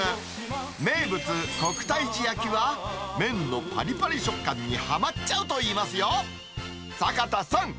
名物、国泰寺焼は、麺のぱりぱり食感にはまっちゃうといいますよ。